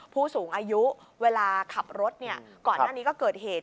ผู้สูงอายุเวลาขับรถก่อนหน้านี้ก็เกิดเหตุ